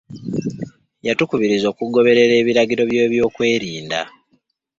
Yatukubiriza okugoberera ebiragiro by'ebyokwerinda.